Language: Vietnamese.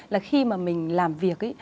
là khi mà mình làm việc